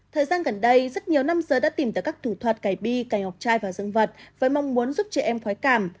thời gian gần đây rất nhiều nam giới đã tìm tới các thủ thuật cài bi cài ngọc trai vào dân vật với mong muốn giúp trẻ em khói cảm